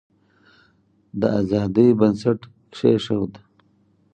د آزادی بنسټ کښېښود.